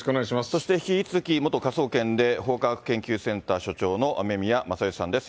そして引き続き元科捜研で法科学研究センター所長の雨宮正欣さんです。